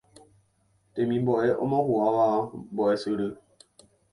temimbo'e omohu'ãva mbo'esyry